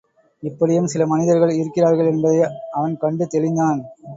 இப்படியும் சில மனிதர்கள் இருக்கிறார்கள் என்பதை அவன் கண்டு தெளிந்தான்.